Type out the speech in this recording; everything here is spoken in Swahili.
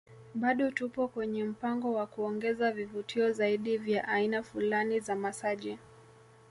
Bado tupo kwenye mpango wa kuongeza vivutio zaidi vya aina fulani za masaji